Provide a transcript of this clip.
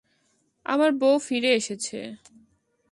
আমার বউ ফিরে এসেছে।